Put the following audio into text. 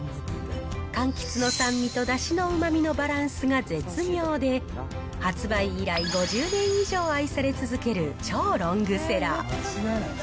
かんきつの酸味とだしのうまみのバランスが絶妙で、発売以来、５０年以上愛され続ける超ロングセラー。